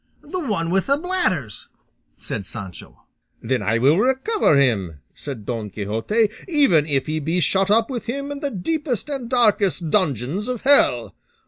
"The one with the bladders," said Sancho. "Then I will recover him," said Don Quixote, "even if he be shut up with him in the deepest and darkest dungeons of hell.